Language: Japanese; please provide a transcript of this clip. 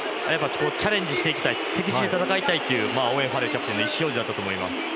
チャレンジしていきたい敵陣で戦いたいというオーウェン・ファレルキャプテンの意思表示だったと思います。